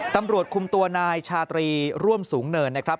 ตำรวจคุมตัวนายชาตรีร่วมสูงเนินนะครับ